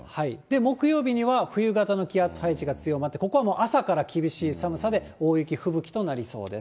木曜日には冬型の気圧配置が強まって、ここは朝から厳しい寒さで大雪、吹雪となりそうです。